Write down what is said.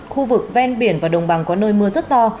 khu vực ven biển và đồng bằng có nơi mưa rất to